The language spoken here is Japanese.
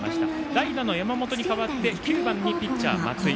代打の山本に代わって９番にピッチャー、松井。